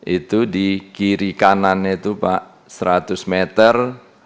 itu di kiri kanannya itu pak seratus meter